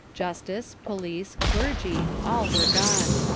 Justice, police, clergy all were gone.